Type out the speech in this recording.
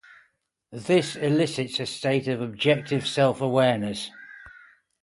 This elicits a state of objective self-awareness.